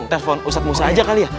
telepon ustadz musa aja kali ya